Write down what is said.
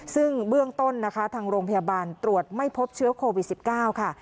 ซึ่งเบื้องต้นนะคะทางโรงพยาบาลตรวจไม่พบเชื้อโควิด๑๙ค่ะ